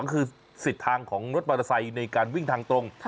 คือสิทธิ์ทางของรถมอเตอร์ไซค์ในการวิ่งทางตรง